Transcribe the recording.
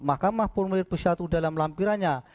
mahkamah formulir p satu dalam lampirannya